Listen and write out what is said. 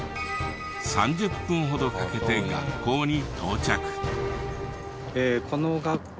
３０分ほどかけて学校に到着。